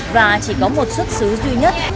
và chỉ có một xuất xứ duy nhất